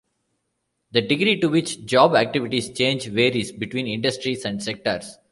The degree to which job activities change varies between industries and sectors.